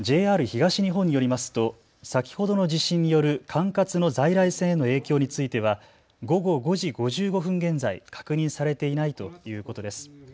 ＪＲ東日本によりますと先ほどの地震による管轄の在来線への影響については午後５時５５分現在、確認されていないということです。